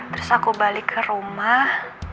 terus aku balik ke rumah